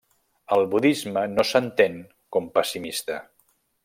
El budisme no s'entén com pessimista.